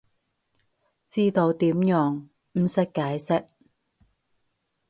知道點用，唔識解釋